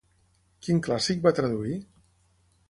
Quin clàssic va traduir?